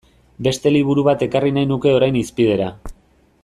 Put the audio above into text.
Beste liburu bat ekarri nahi nuke orain hizpidera.